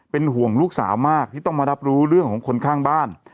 เป็นห่วงลูกสาวมากที่ต้องมารับรู้เรื่องของคนข้างบ้าน